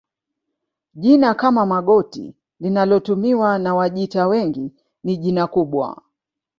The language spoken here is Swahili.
Jina kama Magoti linalotumiwa na Wajita wengi ni jina kubwa